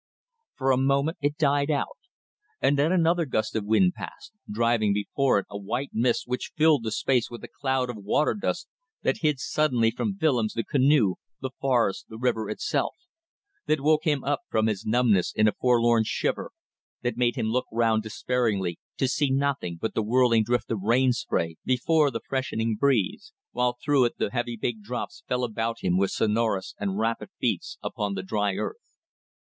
For a moment it died out, and then another gust of wind passed, driving before it a white mist which filled the space with a cloud of waterdust that hid suddenly from Willems the canoe, the forests, the river itself; that woke him up from his numbness in a forlorn shiver, that made him look round despairingly to see nothing but the whirling drift of rain spray before the freshening breeze, while through it the heavy big drops fell about him with sonorous and rapid beats upon the dry earth.